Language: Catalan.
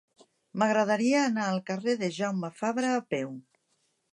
M'agradaria anar al carrer de Jaume Fabra a peu.